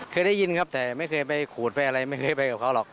เคยได้ยินครับแต่ไม่เคยไปขูดไปอะไรไม่เคยไปกับเขาหรอก